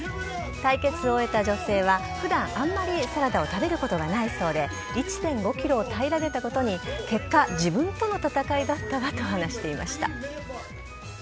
対決を終えた女性は普段、あまりサラダを食べることがないそうで１．５ｋｇを平らげたことに結果、自分との戦いだったわと話していました。